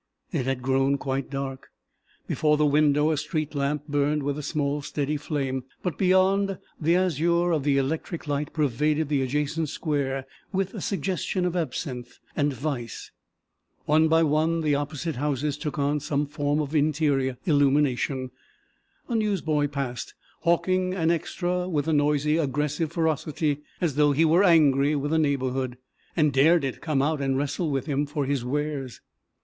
It had grown quite dark. Before the window a street lamp burned with a small, steady flame, but beyond, the azure of the electric light pervaded the adjacent square with a suggestion of absinthe and vice. One by one the opposite houses took on some form of interior illumination. A newsboy passed, hawking an extra with a noisy, aggressive ferocity as though he were angry with the neighborhood, and dared it come out and wrestle with him for his wares.